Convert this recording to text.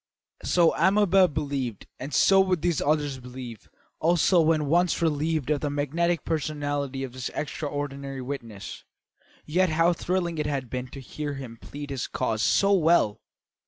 So Amabel believed and so would these others believe also when once relieved of the magnetic personality of this extraordinary witness. Yet how thrilling it had been to hear him plead his cause so well!